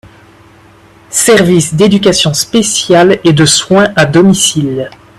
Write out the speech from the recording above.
Service d’éducation spéciale et de soins à domicile.